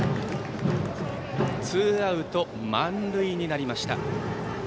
ツーアウト満塁になりました。